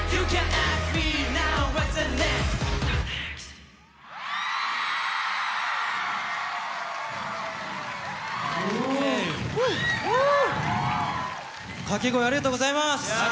ありがとうございます！